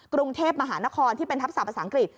กรุงเทพมหานครที่เป็นทัพศาสภาษาอังกฤษ